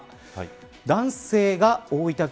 男性が、大分県